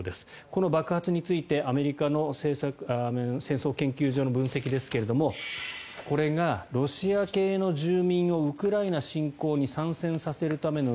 この爆発についてアメリカの戦争研究所の分析ですけれどもこれがロシア系の住民をウクライナ侵攻に参戦させるための